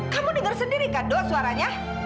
kamu denger sendiri kan dok suaranya